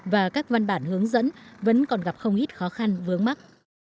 và các văn bản hướng dẫn vẫn còn gặp không ít khó khăn vướng mắt